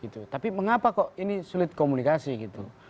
tapi mengapa kok ini sulit komunikasi gitu